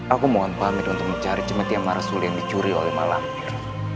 aku mohon pamit untuk mencari cemeti yang marah suli yang dicuri oleh malampir